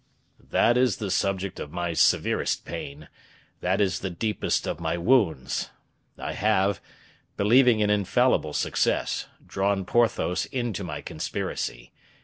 "That is the subject of my severest pain; that is the deepest of my wounds. I have, believing in infallible success, drawn Porthos into my conspiracy.